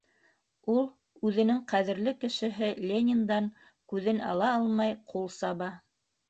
Ул, үҙенең ҡәҙерле кешеһе Лениндан күҙен ала алмай, ҡул саба.